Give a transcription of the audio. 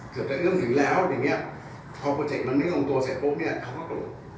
เริ่มถึงแล้วพอโปรเจกต์มันไม่ลงตัวเสร็จปุ๊บเนี่ยเขาก็โกรธ